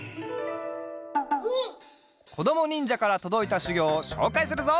こどもにんじゃからとどいたしゅぎょうをしょうかいするぞ。